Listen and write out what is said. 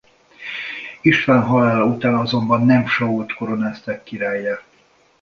István halála után azonban nem Sault koronázták királlyá.